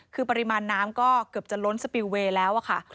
คือปริมาณน้ำก็เกือบจะล้นสปิลเวย์แล้วค่ะ